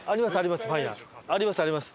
ありますあります